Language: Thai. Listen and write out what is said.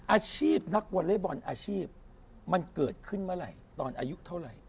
อาชีพนักวอเล็กบอลอาชีพมันเกิดขึ้นเมื่อไหร่ตอนอายุเท่าไหร่